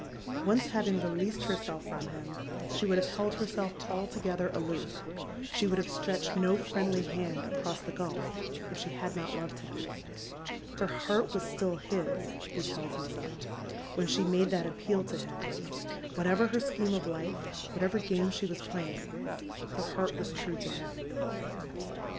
Once liaving released herself from him she would have held her seir altogether aloof — KJie would have stretched no friendly hand across Die gidf if she Ind not loved him. Her heart was etiU liis, he tolls himaelf, when she inade that a^ppeiil t« At Arm's Length. 121 him. Whatever her scheme of life — wliatever game she waa playin^i; — lier heart was true to him.